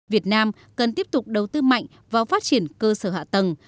việt nam cần tiếp tục đầu tư mạnh vào phát triển cơ sở hạ tầng